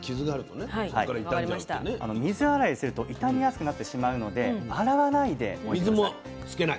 水洗いすると傷みやすくなってしまうので洗わないで置いて下さい。